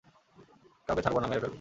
কাউকে ছাড়বো না মেরে ফেলবো!